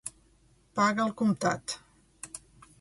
Paga al comptat.